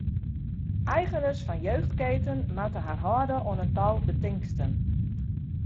Eigeners fan jeugdketen moatte har hâlde oan in tal betingsten.